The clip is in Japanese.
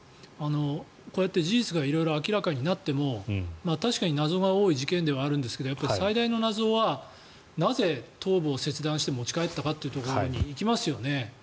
こうやって事実が色々と明らかになっても確かに謎が多い事件ではあるんですが、最大の謎はなぜ頭部を切断して持ち帰ったかというところに行きますよね。